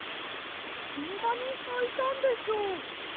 いつのまにさいたんでしょう？